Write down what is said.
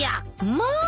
まあ！